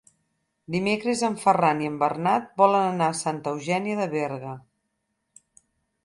Dimecres en Ferran i en Bernat volen anar a Santa Eugènia de Berga.